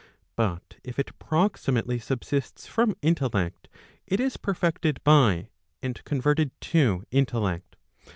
But if it proximately subsists from intellect, it is perfected by, and converted to intellect.